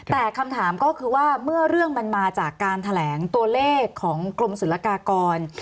แต่คำถามก็คือว่าเมื่อเรื่องมันมาจากการแถลงตัวเลขของกรมศุลกากร